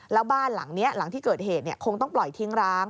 แล้วบ้านหลังนี้หลังที่เกิดเหตุคงต้องปล่อยทิ้งร้าง